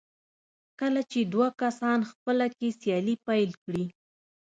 کله چې دوه کسان خپله کې سیالي پيل کړي.